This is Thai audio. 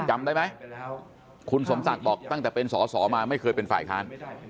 จำได้ไหมคุณสมศักดิ์บอกตั้งแต่เป็นสอสอมาไม่เคยเป็นฝ่ายค้าน